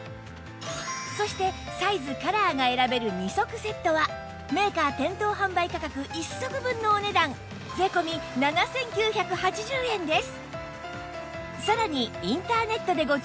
そしてサイズカラーが選べる２足セットはメーカー店頭販売価格１足分のお値段税込７９８０円です